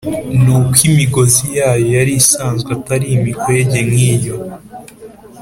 ni uko imigozi yayo yari isanzwe atari imikwege nk’iyo